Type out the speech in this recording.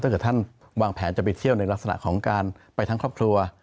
ถ้าเกิดท่านวางแผนจะไปเที่ยวในลักษณะของการไปทั้งครอบครัว